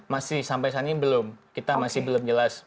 masih sampai saat ini belum kita masih belum jelas